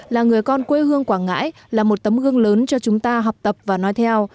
là người con quê hương quảng ngãi là một tấm gương lớn cho chúng ta học tập và nói theo